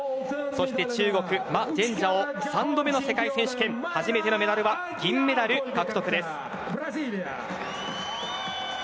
そして中国マ・ジェンジャオ３度目の世界選手権初めてのメダルは銀メダル獲得です。